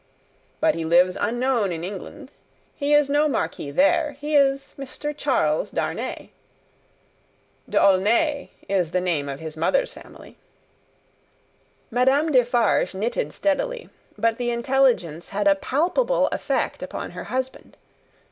But he lives unknown in England, he is no Marquis there; he is Mr. Charles Darnay. D'Aulnais is the name of his mother's family." Madame Defarge knitted steadily, but the intelligence had a palpable effect upon her husband.